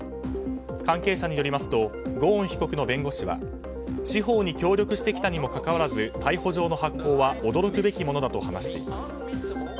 関係者によりますとゴーン被告の弁護士は司法に協力してきたにもかかわらず逮捕状の発行は驚くべきものだと話しています。